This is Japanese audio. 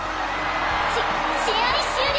し試合終了！